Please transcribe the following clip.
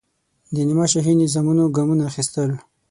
د نیمه شاهي نظامونو ګامونه اخیستل.